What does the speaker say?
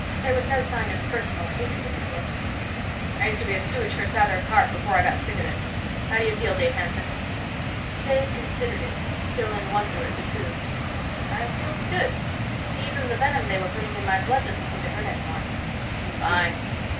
There was no sign of personal hatred in his look. "I used to be a stooge for Sather Karf, before I got sick of it. How do you feel, Dave Hanson?" Dave considered it, still in wonder at the truth. "I feel good. Even the venom they were putting in my blood doesn't seem to hurt any more." "Fine.